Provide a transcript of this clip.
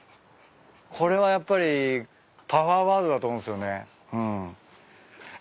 これはやっぱりパワーワードだと思うんすよね。